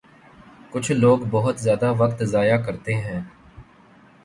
کچھ لوگ بہت زیادہ وقت ضائع کرتے ہیں